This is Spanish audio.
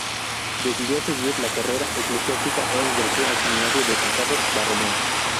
Decidió seguir la carrera eclesiástica e ingresó al Seminario de San Carlos Borromeo.